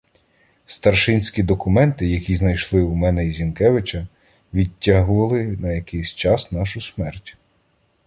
Старшинські документи, які знайшли у мене і Зінкевича, відтягували на якийсь час нашу смерть.